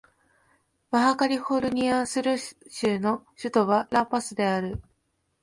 バハ・カリフォルニア・スル州の州都はラ・パスである